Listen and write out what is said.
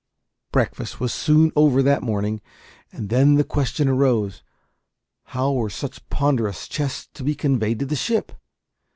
Breakfast was soon over that morning, and then the question arose, how were such ponderous chests to be conveyed to the ship?